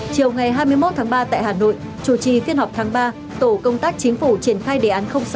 chiều ngày hai mươi một tháng ba tại hà nội chủ trì phiên họp tháng ba tổ công tác chính phủ triển khai đề án sáu